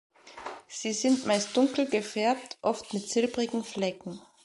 Sie sind meist dunkel gefärbt, oft mit silbrigen Flecken.